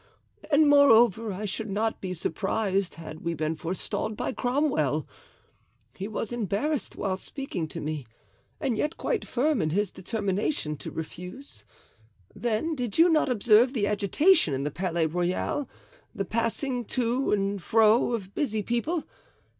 And moreover, I should not be surprised had we been forestalled by Cromwell. He was embarrassed whilst speaking to me and yet quite firm in his determination to refuse. Then did you not observe the agitation in the Palais Royal, the passing to and fro of busy people?